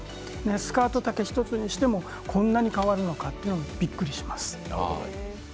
スカート丈１つにしてもこんなに変わるのかとびっくりします。